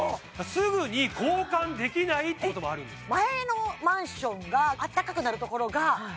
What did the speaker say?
すぐに交換できないってこともあるんですえっ